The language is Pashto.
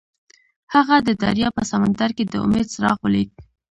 هغه د دریاب په سمندر کې د امید څراغ ولید.